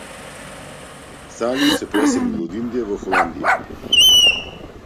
Салим се преселил од Индија во Холандија.